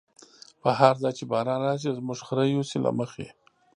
په هر ځای چی باران راشی، زمونږ خره یوسی له مخی